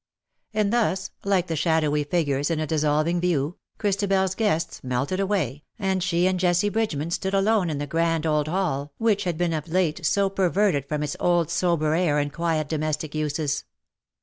And thus, like the shadowy figures in a dissolving view, ChristabeFs guests melted away, and she and Jessie Bridgeman stood alone in the grand old hall which had been of late so perverted from its old sober air and quiet domestic uses.